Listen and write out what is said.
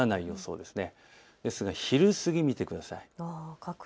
ですが昼過ぎ見てください。